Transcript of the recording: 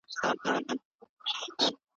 املا د زده کوونکو ترمنځ د بحث زمینه برابروي.